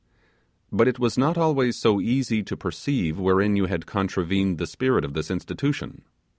But it was not always so easy to perceive wherein you had contravened the spirit of this institution.